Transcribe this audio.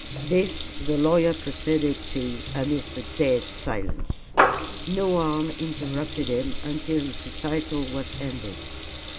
This the lawyer proceeded to amidst a dead silence. No one interrupted him until his recital was ended.